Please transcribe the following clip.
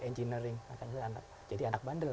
engineering jadi anak bandel